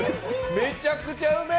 めちゃくちゃうめえ！